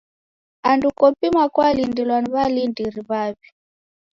Andu kopima kwalindilwa ni w'alindiri w'aw'i.